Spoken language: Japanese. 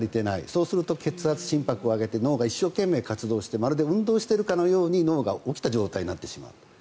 そうすると血圧、心拍を上げて脳が一生懸命に活用してまるで運動しているかのように脳が起きた状態になってしまう。